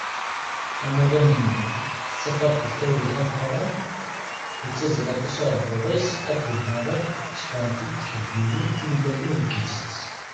Amuḍin-nni, tettaṭṭaf-it tawla tameqqrant, yettazzal aṭas uɛebbuḍ-is akked daɣen tefɣent-d tḥebbiwin timellalin deg yiles-is.